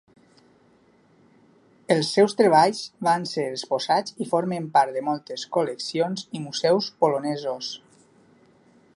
Els seus treballs van ser exposats i formen part de moltes col·leccions i museus polonesos.